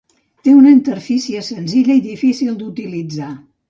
Té una interfície senzilla i difícil d'utilitzar.